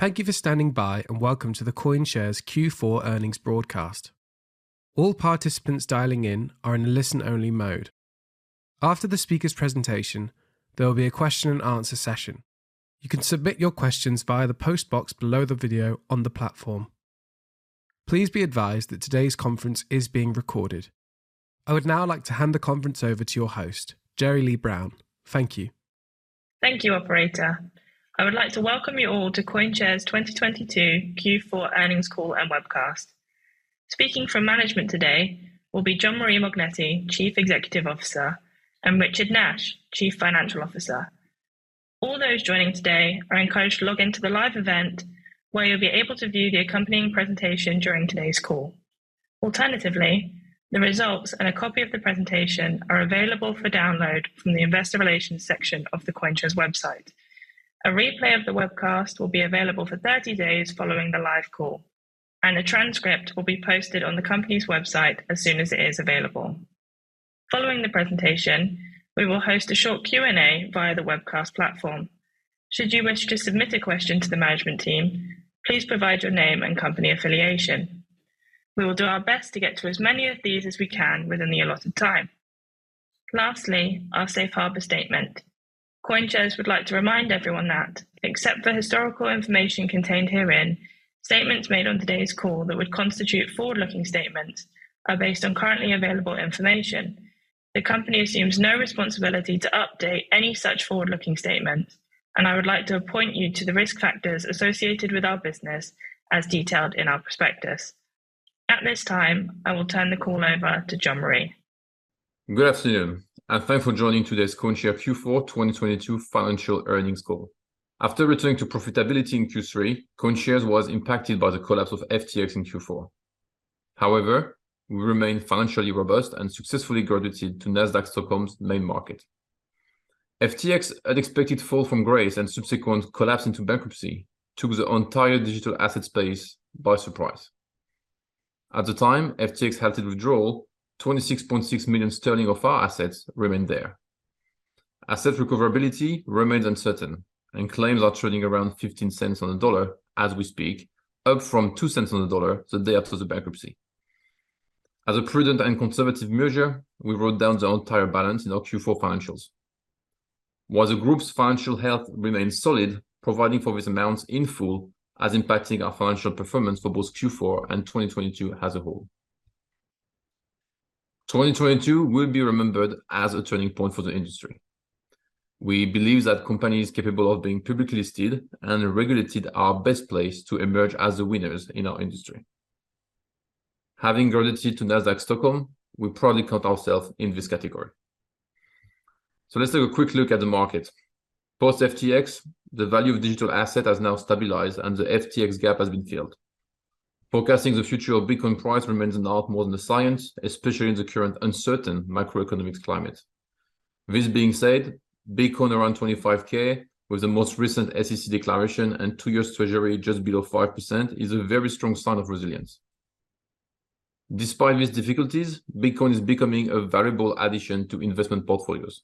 Thank you for standing by, and welcome to CoinShares Q4 earnings broadcast. All participants dialing in are in a listen only mode. After the speaker's presentation, there will be a Q&A session. You can submit your questions via the post box below the video on the platform. Please be advised that today's conference is being recorded. I would now like to hand the conference over to your host, Jerilee Brown. Thank you. Thank you, operator. I would like to welcome you all CoinShares' 2022 Q4 earnings call and webcast. Speaking from management today will be Jean-Marie Mognetti, Chief Executive Officer, and Richard Nash, Chief Financial Officer. All those joining today are encouraged to log in to the live event, where you'll be able to view the accompanying presentation during today's call. Alternatively, the results and a copy of the presentation are available for download from the investor relations section of CoinShares website. A replay of the webcast will be available for 30 days following the live call, and a transcript will be posted on the company's website as soon as it is available. Following the presentation, we will host a short Q&A via the webcast platform. Should you wish to submit a question to the management team, please provide your name and company affiliation. We will do our best to get to as many of these as we can within the allotted time. Lastly, our safe harbor CoinShares would like to remind everyone that except for historical information contained herein, statements made on today's call that would constitute forward-looking statements are based on currently available information. The company assumes no responsibility to update any such forward-looking statements, and I would like to appoint you to the risk factors associated with our business as detailed in our prospectus. At this time, I will turn the call over to Jean-Marie. Good afternoon, and thanks for joining CoinShares Q4 2022 financial earnings call. After returning to profitability in CoinShares was impacted by the collapse of FTX in Q4. We remain financially robust and successfully graduated to Nasdaq Stockholm's main market. FTX unexpected fall from grace and subsequent collapse into bankruptcy took the entire digital asset space by surprise. At the time FTX halted withdrawal, 26.6 million sterling of our assets remained there. Asset recoverability remains uncertain and claims are trading around $0.15 on the dollar as we speak, up from $0.02 on the dollar the day after the bankruptcy. As a prudent and conservative measure, we wrote down the entire balance in our Q4 financials. While the group's financial health remains solid, providing for this amount in full as impacting our financial performance for both Q4 and 2022 as a whole. 2022 will be remembered as a turning point for the industry. We believe that companies capable of being publicly listed and regulated are best placed to emerge as the winners in our industry. Having graduated to Nasdaq Stockholm, we proudly count ourselves in this category. Let's take a quick look at the market. Post FTX, the value of digital asset has now stabilized, and the FTX gap has been filled. Forecasting the future of Bitcoin price remains an art more than a science, especially in the current uncertain macroeconomic climate. This being said, Bitcoin around 25000 with the most recent SEC declaration and two year Treasury just below 5% is a very strong sign of resilience. Despite these difficulties, Bitcoin is becoming a variable addition to investment portfolios.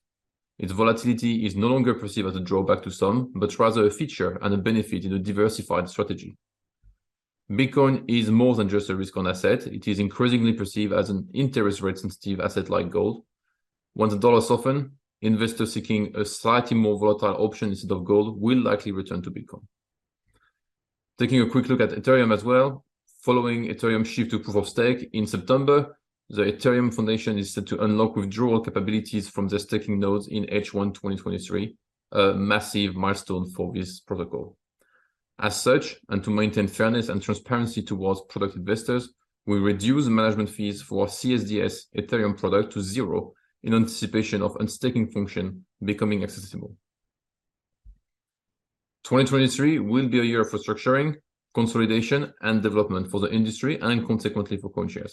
Its volatility is no longer perceived as a drawback to some, but rather a feature and a benefit in a diversified strategy. Bitcoin is more than just a risk on asset. It is increasingly perceived as an interest rate sensitive asset like gold. Once the dollar soften, investors seeking a slightly more volatile option instead of gold will likely return to Bitcoin. Taking a quick look at Ethereum as well. Following Ethereum's shift to proof-of-stake in September, the Ethereum Foundation is set to unlock withdrawal capabilities from the staking nodes in H1 2023, a massive milestone for this protocol. As such, to maintain fairness and transparency towards product investors, we reduced management fees for CSDS Ethereum product to zero in anticipation of unstaking function becoming accessible. 2023 will be a year for structuring, consolidation, and development for the industry and consequently for CoinShares.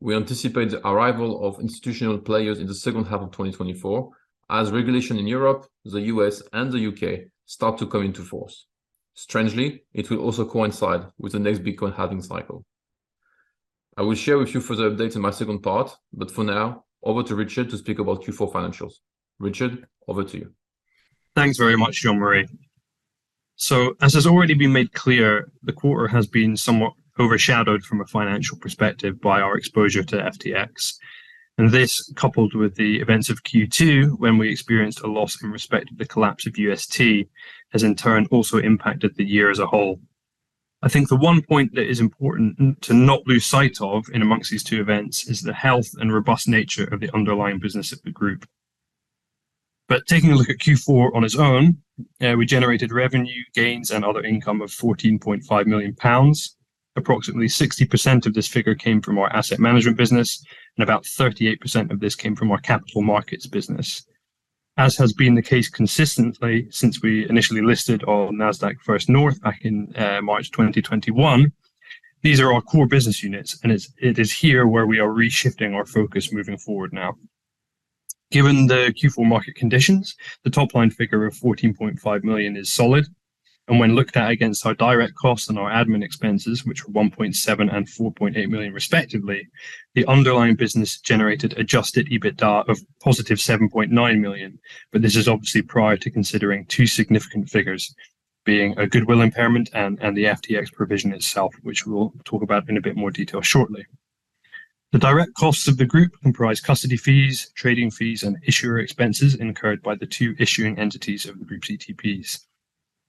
We anticipate the arrival of institutional players in the second half of 2024 as regulation in Europe, the U.S., and the U.K. start to come into force. Strangely, it will also coincide with the next Bitcoin halving cycle. I will share with you further updates in my second part. For now, over to Richard to speak about Q4 financials. Richard, over to you. Thanks very much, Jean-Marie. As has already been made clear, the quarter has been somewhat overshadowed from a financial perspective by our exposure to FTX. This, coupled with the events of Q2, when we experienced a loss in respect of the collapse of UST, has in turn also impacted the year as a whole. I think the one point that is important to not lose sight of in amongst these two events is the health and robust nature of the underlying business of the group. Taking a look at Q4 on its own, we generated revenue gains and other income of 14.5 million pounds. Approximately 60% of this figure came from our asset management business, and about 38% of this came from our capital markets business. As has been the case consistently since we initially listed on Nasdaq First North back in March 2021, these are our core business units, it is here where we are reshift our focus moving forward now. Given the Q4 market conditions, the top line figure of 14.5 million is solid. When looked at against our direct costs and our admin expenses, which were 1.7 million and 4.8 million respectively, the underlying business generated adjusted EBITDA of positive 7.9 million. This is obviously prior to considering two significant figures, being a goodwill impairment and the FTX provision itself, which we'll talk about in a bit more detail shortly. The direct costs of the group comprise custody fees, trading fees, and issuer expenses incurred by the two issuing entities of the group ETPs.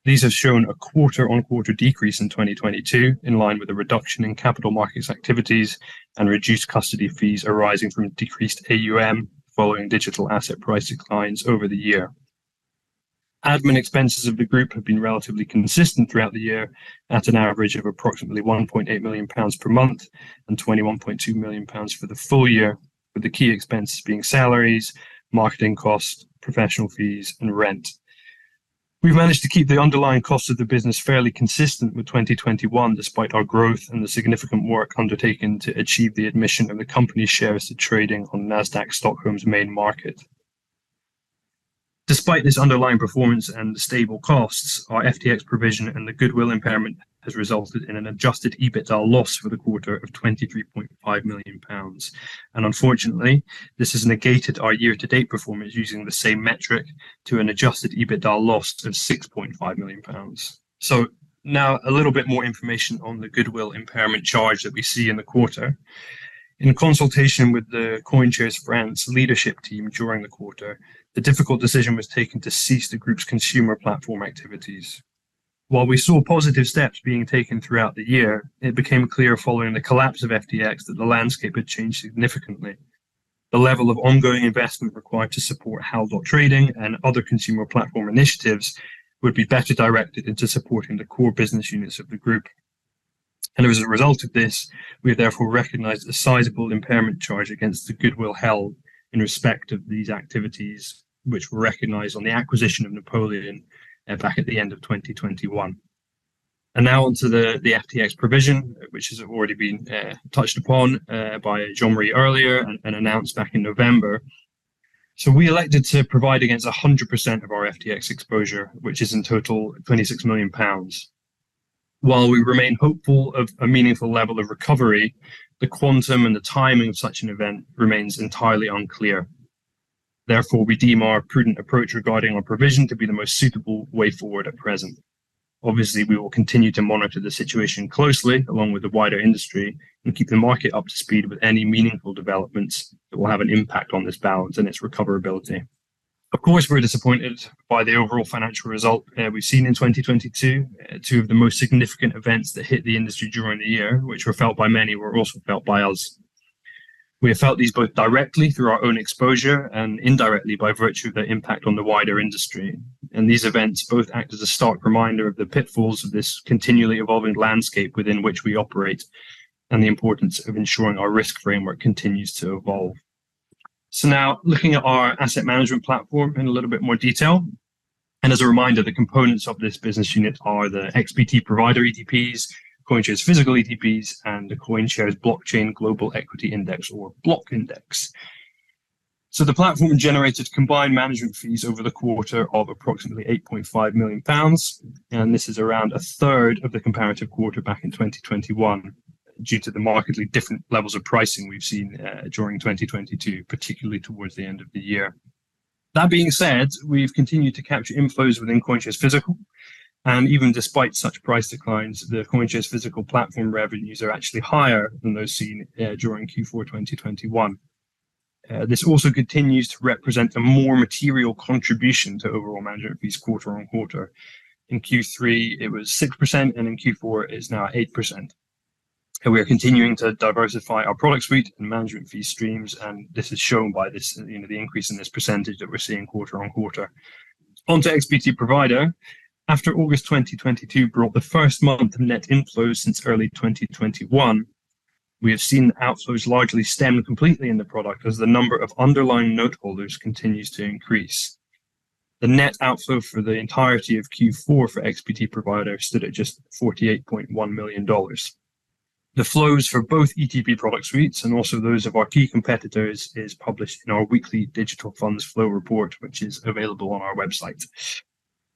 These have shown a QoQ decrease in 2022, in line with a reduction in capital markets activities and reduced custody fees arising from a decreased AUM following digital asset price declines over the year. Admin expenses of the group have been relatively consistent throughout the year at an average of approximately 1.8 million pounds per month and 21.2 million pounds for the full year, with the key expenses being salaries, marketing costs, professional fees and rent. We've managed to keep the underlying cost of the business fairly consistent with 2021, despite our growth and the significant work undertaken to achieve the admission of the company's shares to trading on Nasdaq Stockholm's main market. Despite this underlying performance and the stable costs, our FTX provision and the goodwill impairment has resulted in an adjusted EBITDA loss for the quarter of 23.5 million pounds. Unfortunately, this has negated our year-to-date performance using the same metric to an Adjusted EBITDA loss of 6.5 million pounds. Now a little bit more information on the goodwill impairment charge that we see in the quarter. In consultation with CoinShares France leadership team during the quarter, the difficult decision was taken to cease the group's consumer platform activities. While we saw positive steps being taken throughout the year, it became clear following the collapse of FTX that the landscape had changed significantly. The level of ongoing investment required to support HAL Trading and other consumer platform initiatives would be better directed into supporting the core business units of the group. As a result of this, we have therefore recognized a sizable impairment charge against the goodwill held in respect of these activities, which were recognized on the acquisition of Napoleon back at the end of 2021. Now onto the FTX provision, which has already been touched upon by Jean-Marie earlier and announced back in November. We elected to provide against 100% of our FTX exposure, which is in total 26 million pounds. While we remain hopeful of a meaningful level of recovery, the quantum and the timing of such an event remains entirely unclear. Therefore, we deem our prudent approach regarding our provision to be the most suitable way forward at present. Obviously, we will continue to monitor the situation closely along with the wider industry and keep the market up to speed with any meaningful developments that will have an impact on this balance and its recoverability. Of course, we're disappointed by the overall financial result, we've seen in 2022. Two of the most significant events that hit the industry during the year, which were felt by many, were also felt by us. We have felt these both directly through our own exposure and indirectly by virtue of their impact on the wider industry. These events both act as a stark reminder of the pitfalls of this continually evolving landscape within which we operate and the importance of ensuring our risk framework continues to evolve. Now looking at our asset management platform in a little bit more detail, and as a reminder, the components of this business unit are the XBT Provider CoinShares Physical ETPs, and CoinShares Blockchain Global Equity Index or BLOCK Index. The platform generated combined management fees over the quarter of approximately 8.5 million pounds, and this is around a third of the comparative quarter back in 2021 due to the markedly different levels of pricing we've seen during 2022, particularly towards the end of the year. That being said, we've continued to capture inflows CoinShares Physical, and even despite such price declines, CoinShares Physical platform revenues are actually higher than those seen during Q4 2021. This also continues to represent a more material contribution to overall management fees QoQ. In Q3 it was 6%, and in Q4 it is now 8%. We are continuing to diversify our product suite and management fee streams and this is shown by this, you know, the increase in this percentage that we're seeing QoQ. Onto XBT Provider. After August 2022 brought the first month of net inflows since early 2021, we have seen the outflows largely stem completely in the product as the number of underlying noteholders continues to increase. The net outflow for the entirety of Q4 for XBT Provider stood at just $48.1 million. The flows for both ETP product suites and also those of our key competitors is published in our weekly Digital Funds Flow report, which is available on our website.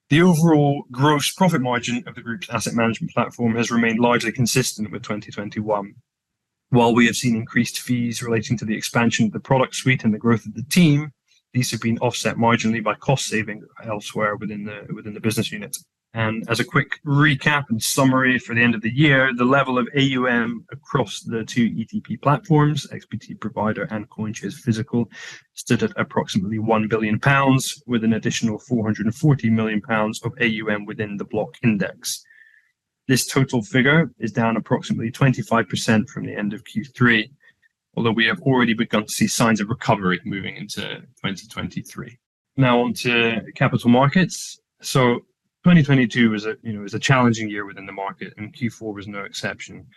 The overall gross profit margin of the group's asset management platform has remained largely consistent with 2021. While we have seen increased fees relating to the expansion of the product suite and the growth of the team, these have been offset marginally by cost saving elsewhere within the business unit. As a quick recap and summary for the end of the year, the level of AUM across the two ETP platforms, XBT Provider CoinShares Physical, stood at approximately 1 billion pounds, with an additional 440 million pounds of AUM within the BLOCK Index. This total figure is down approximately 25% from the end of Q3, although we have already begun to see signs of recovery moving into 2023. Now on to capital markets. 2022 was a, you know, challenging year within the market and Q4 was no exception.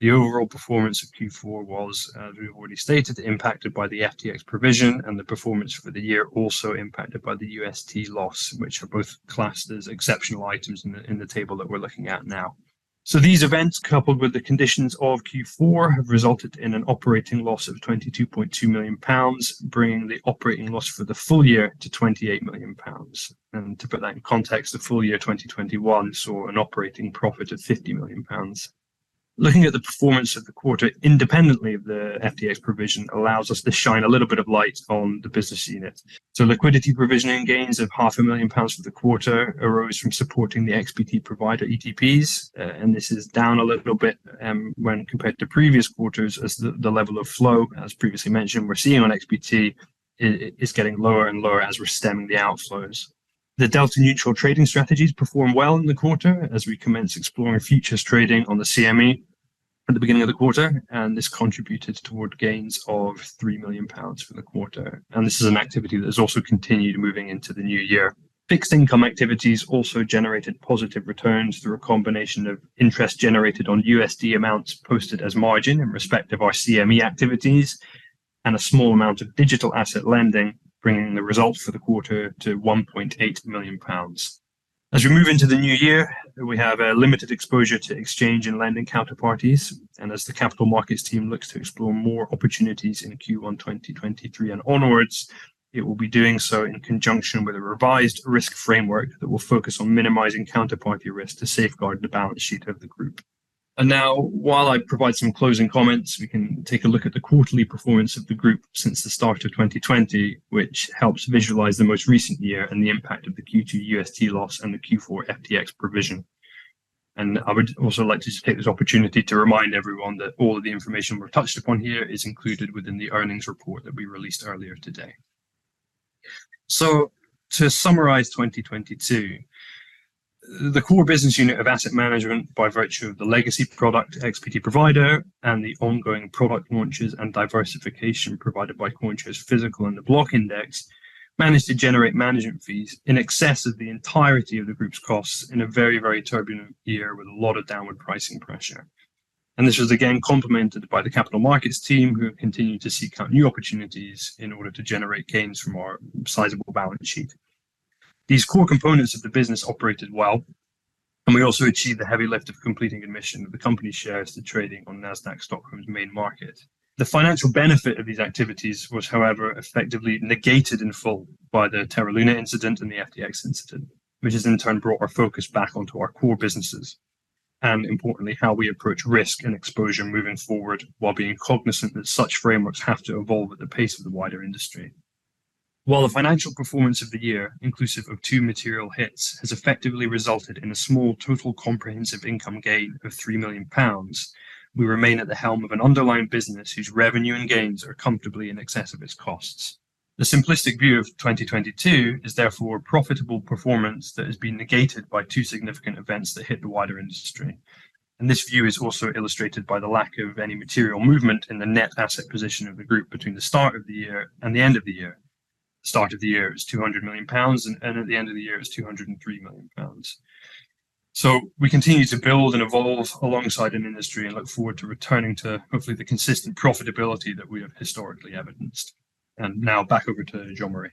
The overall performance of Q4 was, as we've already stated, impacted by the FTX provision and the performance for the year also impacted by the UST loss, which are both classed as exceptional items in the, in the table that we're looking at now. These events, coupled with the conditions of Q4, have resulted in an operating loss of 22.2 million pounds, bringing the operating loss for the full year to 28 million pounds. To put that in context, the full year 2021 saw an operating profit of 50 million pounds. Looking at the performance of the quarter independently of the FTX provision allows us to shine a little bit of light on the business unit. Liquidity provisioning gains of 500,000 million pounds for the quarter arose from supporting the XBT Provider ETPs, and this is down a little bit when compared to previous quarters as the level of flow, as previously mentioned, we're seeing on XBT is getting lower and lower as we're stemming the outflows. The delta-neutral trading strategies performed well in the quarter as we commenced exploring futures trading on the CME at the beginning of the quarter, and this contributed toward gains of 3 million pounds for the quarter. This is an activity that has also continued moving into the new year. Fixed income activities also generated positive returns through a combination of interest generated on USD amounts posted as margin in respect of our CME activities and a small amount of digital asset lending, bringing the results for the quarter to 1.8 million pounds. As we move into the new year, we have a limited exposure to exchange and lending counterparties, and as the capital markets team looks to explore more opportunities in Q1 2023 and onwards, it will be doing so in conjunction with a revised risk framework that will focus on minimizing counterparty risk to safeguard the balance sheet of the group. Now while I provide some closing comments, we can take a look at the quarterly performance of the group since the start of 2020, which helps visualize the most recent year and the impact of the Q2 UST loss and the Q4 FTX provision. I would also like to take this opportunity to remind everyone that all of the information we've touched upon here is included within the earnings report that we released earlier today. To summarize 2022, the core business unit of asset management by virtue of the legacy product, XBT Provider, and the ongoing product launches and diversification provided CoinShares Physical and the BLOCK Index, managed to generate management fees in excess of the entirety of the group's costs in a very, very turbulent year with a lot of downward pricing pressure. This was again complemented by the capital markets team, who have continued to seek out new opportunities in order to generate gains from our sizable balance sheet. These core components of the business operated well, and we also achieved the heavy lift of completing admission of the company shares to trading on Nasdaq Stockholm's main market. The financial benefit of these activities was, however, effectively negated in full by the Terra Luna incident and the FTX incident, which has in turn brought our focus back onto our core businesses and importantly, how we approach risk and exposure moving forward while being cognizant that such frameworks have to evolve at the pace of the wider industry. While the financial performance of the year, inclusive of two material hits, has effectively resulted in a small total comprehensive income gain of 3 million pounds, we remain at the helm of an underlying business whose revenue and gains are comfortably in excess of its costs. The simplistic view of 2022 is therefore a profitable performance that has been negated by two significant events that hit the wider industry. This view is also illustrated by the lack of any material movement in the net asset position of the group between the start of the year and the end of the year. The start of the year is 200 million pounds and at the end of the year is 203 million pounds. We continue to build and evolve alongside an industry and look forward to returning to hopefully the consistent profitability that we have historically evidenced. Now back over to Jean-Marie.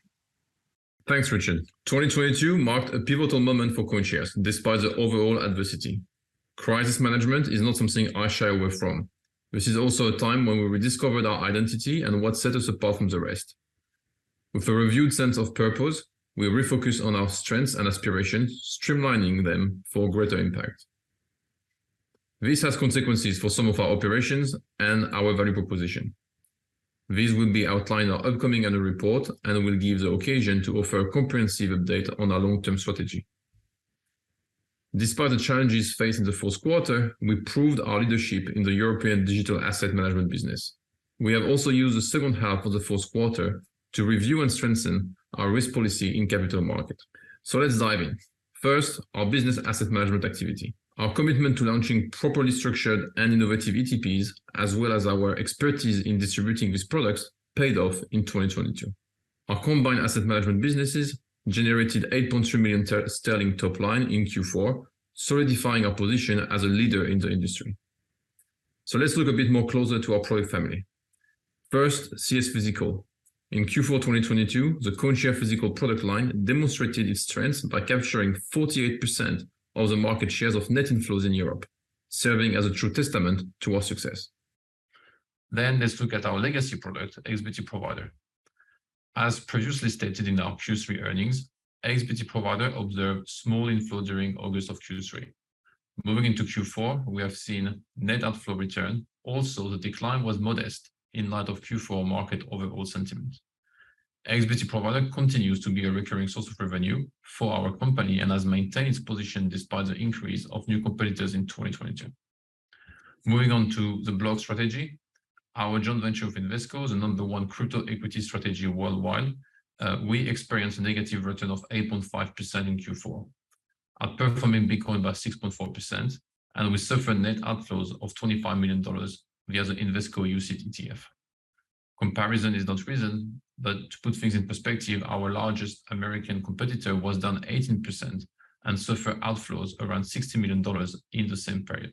Thanks, Richard. 2022 marked a pivotal moment CoinShares, despite the overall adversity. Crisis management is not something I shy away from, which is also a time when we rediscovered our identity and what set us apart from the rest. With a reviewed sense of purpose, we refocused on our strengths and aspirations, streamlining them for greater impact. This has consequences for some of our operations and our value proposition. This will be outlined in our upcoming annual report and will give the occasion to offer a comprehensive update on our long-term strategy. Despite the challenges faced in the fourth quarter, we proved our leadership in the European digital asset management business. We have also used the second half of the fourth quarter to review and strengthen our risk policy in capital market. Let's dive in. First, our business asset management activity. Our commitment to launching properly structured and innovative ETPs, as well as our expertise in distributing these products, paid off in 2022. Our combined asset management businesses generated 8.3 million sterling top line in Q4, solidifying our position as a leader in the industry. Let's look a bit more closer to our product family. First, CS Physical. In Q4, 2022, CoinShares Physical product line demonstrated its strength by capturing 48% of the market shares of net inflows in Europe, serving as a true testament to our success. Let's look at our legacy product, XBT Provider. As previously stated in our Q3 earnings, XBT Provider observed small inflow during August of Q3. Moving into Q4, we have seen net outflow return. The decline was modest in light of Q4 market overall sentiment. XBT Provider continues to be a recurring source of revenue for our company and has maintained its position despite the increase of new competitors in 2022. Moving on to the BLOCK strategy, our joint venture with Invesco is the number one crypto equity strategy worldwide. We experienced a negative return of 8.5% in Q4, outperforming Bitcoin by 6.4%, and we suffered net outflows of $25 million via the Invesco UCITS ETF. Comparison is not reason, but to put things in perspective, our largest American competitor was down 18% and suffered outflows around $60 million in the same period.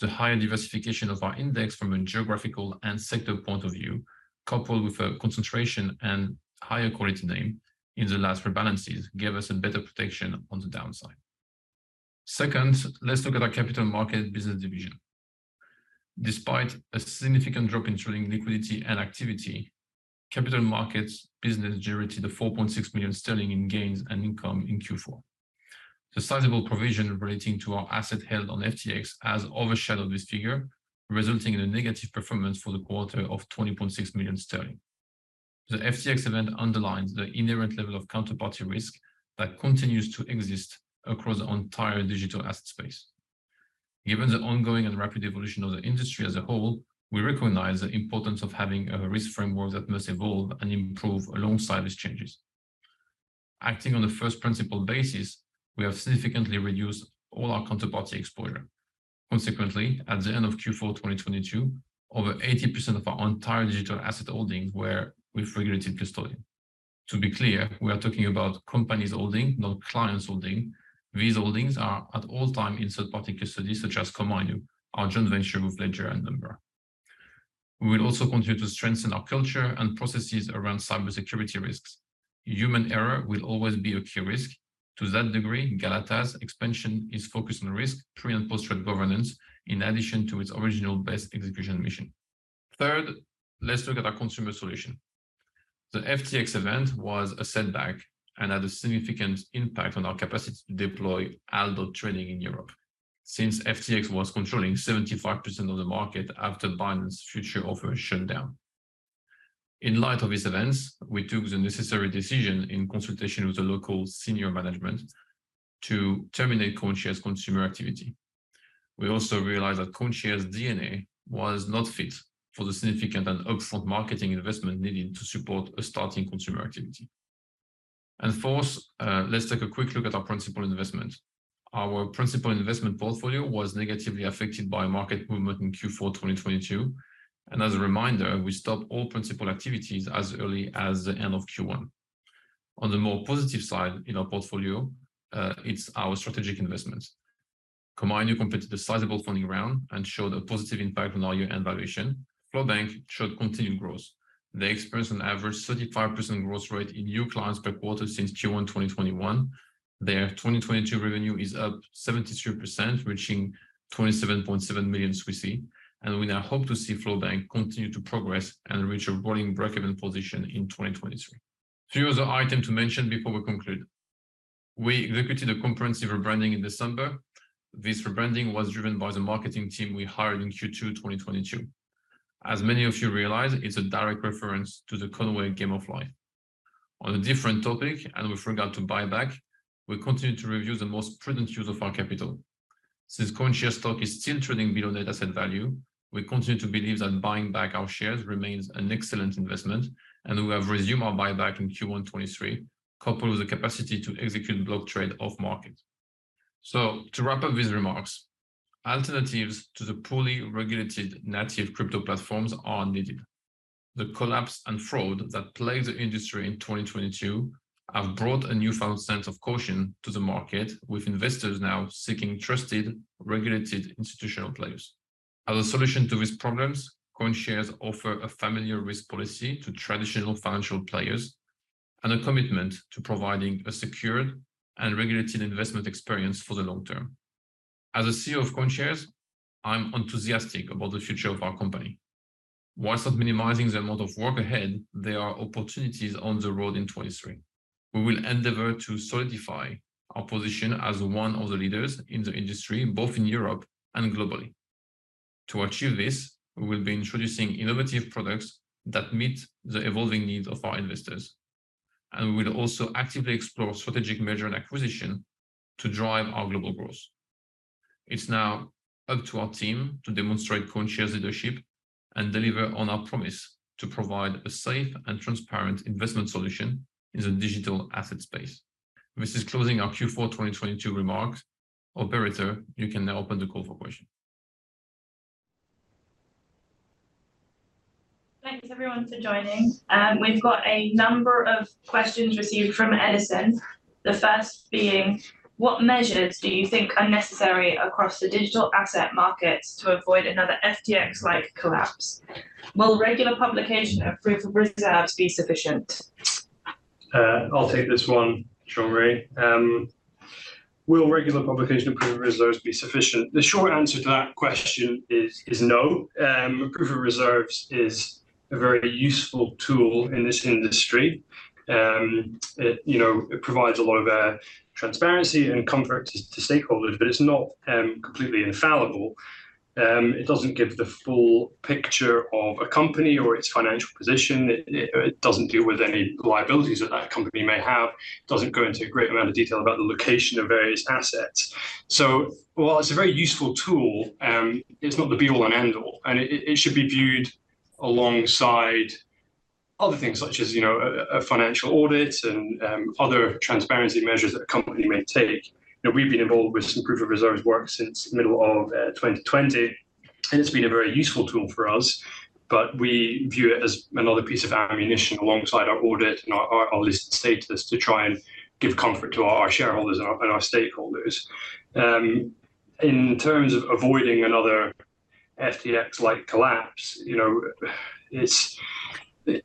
The higher diversification of our index from a geographical and sector point of view, coupled with a concentration and higher quality name in the last rebalances, gave us a better protection on the downside. Second, let's look at our capital market business division. Despite a significant drop in trading liquidity and activity, capital markets business generated 4.6 million sterling in gains and income in Q4. The sizable provision relating to our asset held on FTX has overshadowed this figure, resulting in a negative performance for the quarter of 20.6 million sterling. The FTX event underlines the inherent level of counterparty risk that continues to exist across the entire digital asset space. Given the ongoing and rapid evolution of the industry as a whole, we recognize the importance of having a risk framework that must evolve and improve alongside these changes. Acting on the first principle basis, we have significantly reduced all our counterparty exposure. Consequently, at the end of Q4 2022, over 80% of our entire digital asset holdings were with regulated custodian. To be clear, we are talking about company's holding, not client's holding. These holdings are at all time in third-party custody, such as Komainu, our joint venture with Ledger and Nomura. We will also continue to strengthen our culture and processes around cybersecurity risks. Human error will always be a key risk. To that degree, HAL expansion is focused on risk, pre and post-trade governance, in addition to its original best execution mission. Let's look at our consumer solution. The FTX event was a setback and had a significant impact on our capacity to deploy algo trading in Europe. FTX was controlling 75% of the market after Binance future offer shut down. In light of these events, we took the necessary decision in consultation with the local senior management to CoinShares consumer activity. We also realized CoinShares DNA was not fit for the significant and upfront marketing investment needed to support a starting consumer activity. Fourth, let's take a quick look at our principal investment. Our principal investment portfolio was negatively affected by market movement in Q4 2022. As a reminder, we stopped all principal activities as early as the end of Q1. On the more positive side in our portfolio, it's our strategic investments. Komainu completed a sizable funding round and showed a positive impact on our year-end valuation. FlowBank showed continued growth. They experienced an average 35% growth rate in new clients per quarter since Q1 2021. Their 2022 revenue is up 73%, reaching 27.7 million, and we now hope to see FlowBank continue to progress and reach a rolling breakeven position in 2023. Few other item to mention before we conclude. We executed a comprehensive rebranding in December. This rebranding was driven by the marketing team we hired in Q2 2022. As many of you realize, it's a direct reference to the Conway's Game of Life. On a different topic, and with regard to buyback, we continue to review the most prudent use of our capital. CoinShares stock is still trading below net asset value, we continue to believe that buying back our shares remains an excellent investment, and we have resumed our buyback in Q1 2023, coupled with the capacity to execute block trade off-market. To wrap up these remarks, alternatives to the poorly regulated native crypto platforms are needed. The collapse and fraud that plagued the industry in 2022 have brought a newfound sense of caution to the market, with investors now seeking trusted, regulated institutional players. As a solution to these CoinShares offer a familiar risk policy to traditional financial players and a commitment to providing a secured and regulated investment experience for the long term. As the CEO CoinShares, I'm enthusiastic about the future of our company. Whilst not minimizing the amount of work ahead, there are opportunities on the road in 2023. We will endeavor to solidify our position as one of the leaders in the industry, both in Europe and globally. To achieve this, we will be introducing innovative products that meet the evolving needs of our investors, We will also actively explore strategic measure and acquisition to drive our global growth. It's now up to our team to CoinShares leadership and deliver on our promise to provide a safe and transparent investment solution in the digital asset space. This is closing our Q4 2022 remarks. Operator, you can now open the call for questions. Thanks everyone for joining. We've got a number of questions received from Edison. The first being: What measures do you think are necessary across the digital asset markets to avoid another FTX-like collapse? Will regular publication of Proof of Reserves be sufficient? I'll take this one, Jean-Marie. Will regular publication of Proof of Reserves be sufficient? The short answer to that question is no. Proof of Reserves is a very useful tool in this industry. It, you know, it provides a lot of transparency and comfort to stakeholders, but it's not completely infallible. It doesn't give the full picture of a company or its financial position. It doesn't deal with any liabilities that company may have. It doesn't go into a great amount of detail about the location of various assets. While it's a very useful tool, it's not the be all and end all, and it should be viewed alongside other things such as, you know, a financial audit and other transparency measures that a company may take. You know, we've been involved with some Proof of Reserves work since middle of, 2020, and it's been a very useful tool for us. We view it as another piece of ammunition alongside our audit and our listed status to try and give comfort to our shareholders and our stakeholders. In terms of avoiding another FTX-like collapse, you know,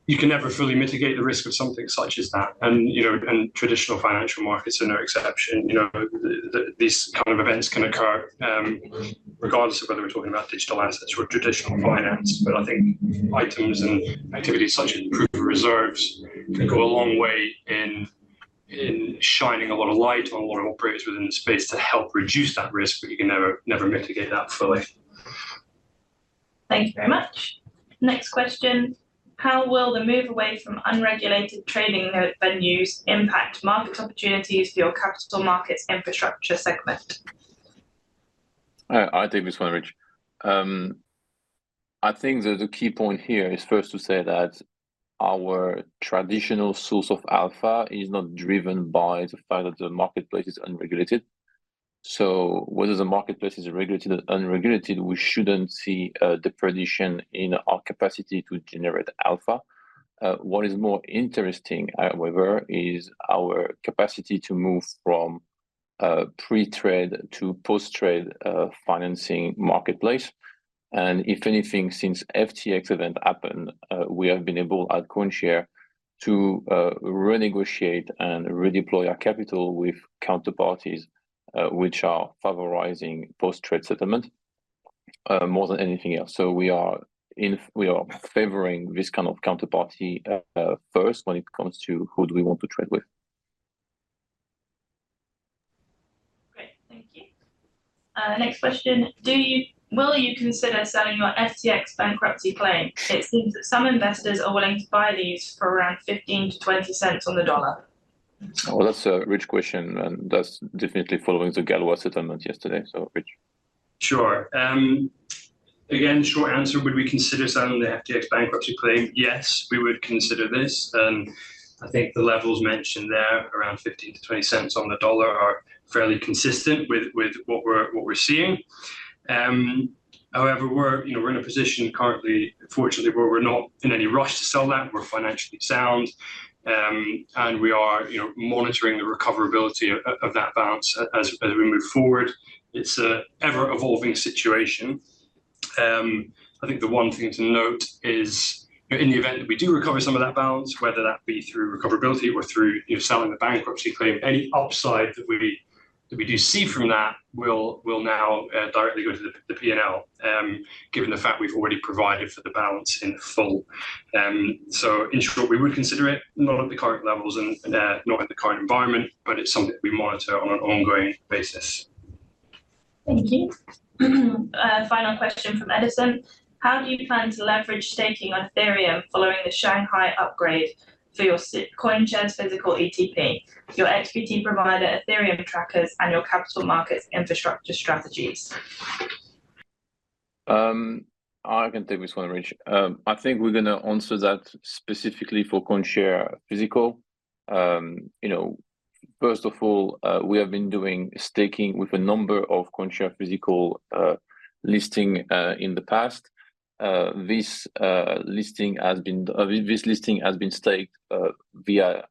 You can never fully mitigate the risk of something such as that. You know, and traditional financial markets are no exception. You know, the these kind of events can occur, regardless of whether we're talking about digital assets or traditional finance. I think items and activities such as Proof of Reserves can go a long way in shining a lot of light on a lot of operators within the space to help reduce that risk, but you can never mitigate that fully. Thank you very much. Next question. How will the move away from unregulated trading venues impact market opportunities for your capital markets infrastructure segment? I'll take this one, Rich. I think that the key point here is first to say that our traditional source of alpha is not driven by the fact that the marketplace is unregulated. Whether the marketplace is regulated or unregulated, we shouldn't see degradation in our capacity to generate alpha. What is more interesting, however, is our capacity to move from pre-trade to post-trade financing marketplace. If anything, since FTX event happened, we have been able CoinShares to renegotiate and redeploy our capital with counterparties which are favorizing post-trade settlement more than anything else. We are favoring this kind of counterparty first when it comes to who do we want to trade with. Great. Thank you. Next question. Will you consider selling your FTX bankruptcy claim? It seems that some investors are willing to buy these for around $0.15-$0.20 on the dollar. Oh, that's a rich question. That's definitely following the Galois settlement yesterday. Rich. Sure. again, short answer, would we consider selling the FTX bankruptcy claim? Yes, we would consider this. I think the levels mentioned there around $0.15 million -$0.20 million on the dollar are fairly consistent with what we're seeing. We're, you know, we're in a position currently, fortunately, where we're not in any rush to sell that. We're financially sound, and we are, you know, monitoring the recoverability of that balance as we move forward. It's an ever-evolving situation. I think the one thing to note is in the event that we do recover some of that balance, whether that be through recoverability or through, you know, selling the bankruptcy claim, any upside that we do see from that will now directly go to the P&L, given the fact we've already provided for the balance in full. In short, we would consider it, not at the current levels and not in the current environment, but it's something that we monitor on an ongoing basis. Thank you. Final question from Edison. How do you plan to leverage staking Ethereum following the Shanghai upgrade for CoinShares Physical ETP, your XBT Provider, Ethereum trackers, and your capital markets infrastructure strategies? I can take this one, Rich. I think we're gonna answer that specifically CoinShares Physical. You know, first of all, we have been doing staking with a number CoinShares Physical listing in the past. This listing has been staked via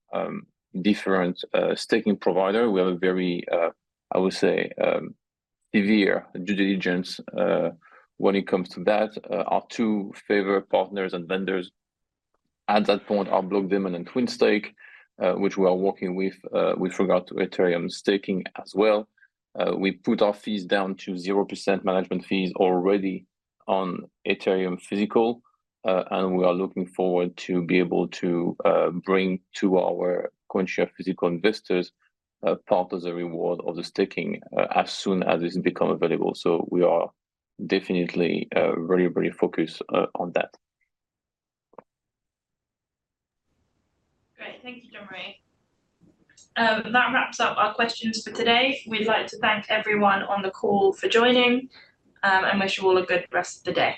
different staking provider. We have a very, I would say, severe due diligence when it comes to that. Our two favourite partners and vendors at that point are Blockdaemon and Twinstake, which we are working with with regard to Ethereum staking as well. We put our fees down to 0% management fees already on Ethereum Physical, and we are looking forward to be able to bring to CoinShares Physical investors a part of the reward of the staking, as soon as this become available. We are definitely very, very focused on that. Great. Thank you, Jean-Marie. That wraps up our questions for today. We'd like to thank everyone on the call for joining, and wish you all a good rest of the day.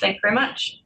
Thank you very much.